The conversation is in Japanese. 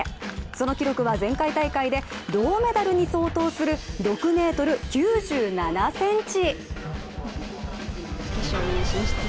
その記録は、前回大会で銅メダルに相当する６ｍ９７ｃｍ。